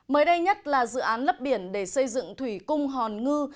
mới đây nhất là dự án lấp biển để xây dựng thủy cung hòn ngư